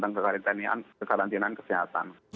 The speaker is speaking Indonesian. tentang kekarantinaan kesehatan